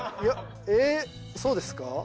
えそうですか？